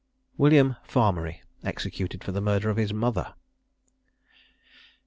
WILLIAM FARMERY. EXECUTED FOR THE MURDER OF HIS MOTHER.